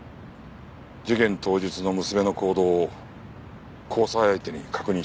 事件当日の娘の行動を交際相手に確認したところ。